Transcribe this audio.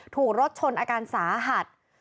ถูกรถชนอาการสาหัส